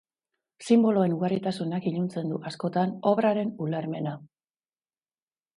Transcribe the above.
Sinboloen ugaritasunak iluntzen du, askotan, obraren ulermena.